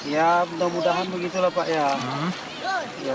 ya mudah mudahan begitu lah pak ya